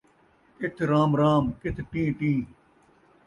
کتھ رام رام ، کتھ ٹیں ٹیں